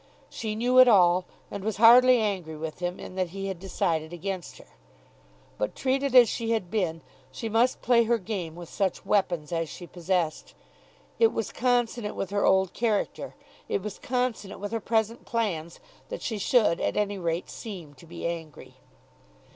She knew it all and was hardly angry with him in that he had decided against her. But treated as she had been she must play her game with such weapons as she possessed. It was consonant with her old character, it was consonant with her present plans that she should at any rate seem to be angry.